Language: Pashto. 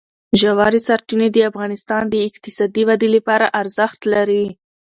ژورې سرچینې د افغانستان د اقتصادي ودې لپاره ارزښت لري.